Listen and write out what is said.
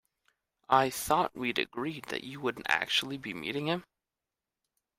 I thought we'd agreed that you wouldn't actually be meeting him?